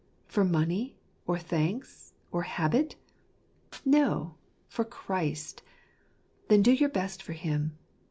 For money, or thanks, or habit ? No, for Christ. Then do your best for Him.